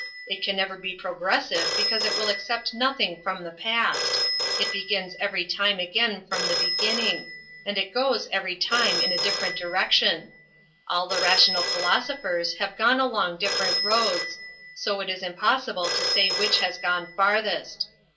It can never be progressive because it will accept nothing from the past; it begins every time again from the beginning; and it goes every time in a different direction. All the rational philosophers have gone along different roads, so it is impossible to say which has gone farthest.